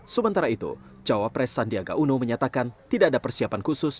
sementara itu cawapres sandiaga uno menyatakan tidak ada persiapan khusus